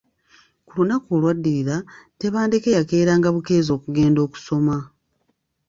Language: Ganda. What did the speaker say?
Ku lunaku olw’addirira, Tebandeke yakeeranga bukeezi okugenda okusoma.